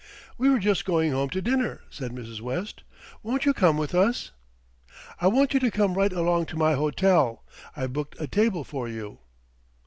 "We were just going home to dinner," said Mrs. West. "Won't you come with us?" "I want you to come right along to my hotel. I've booked a table for you."